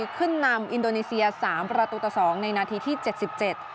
ขึ้นนำอินโดนีเซียสามประตูต่อสองในนาทีที่เจ็ดสิบเจ็ด